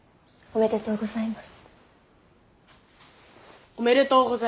おめでとうございます。